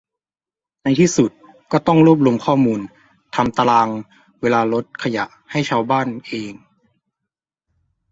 ในที่สุดก็ต้องรวบรวมข้อมูลทำตารางเวลารถขยะให้ชาวบ้านเอง